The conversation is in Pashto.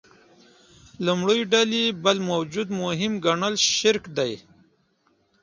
لومړۍ ډلې بل موجود مهم ګڼل شرک دی.